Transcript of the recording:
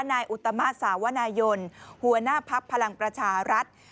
นายอุตมาสสาวนายนหัวหน้าพักพลังประชารัฐ